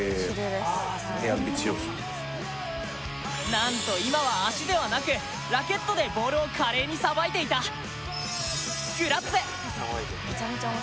なんと今は足ではなくラケットでボールを華麗にさばいていたグラッツェ！